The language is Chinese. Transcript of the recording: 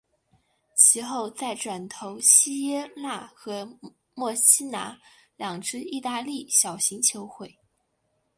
其后再转投锡耶纳和墨西拿两支意大利小型球会。